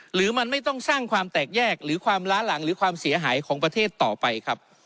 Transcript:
หรือมันไม่ต้องสร้างความแตกแยกหรือความล้าหลังหรือความเสียหายของประเทศต่อไปครับ